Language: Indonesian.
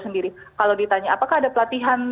sendiri kalau ditanya apakah ada pelatihan